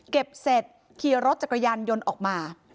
เสร็จขี่รถจักรยานยนต์ออกมา